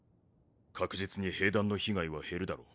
確実に兵団の被害は減るだろう。